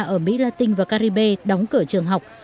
ở mỹ latin và caribe đóng cửa trường học